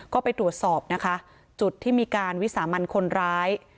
ก็ไปตรวจสอบนะคะจุดที่มีการวิสามันคนร้าย